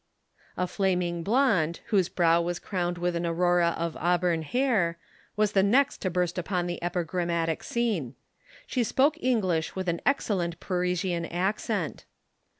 A flaming blonde, whose brow was crowned with an aurora of auburn hair, was the next to burst upon the epigrammatic scene. She spoke English with an excellent Parisian accent.